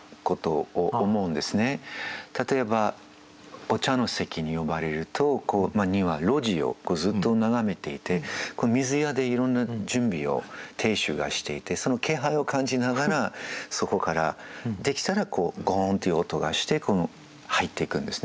例えばお茶の席に呼ばれると庭露地をずっと眺めていて水屋でいろんな準備を亭主がしていてその気配を感じながらそこからできたらゴーンという音がして入っていくんですね。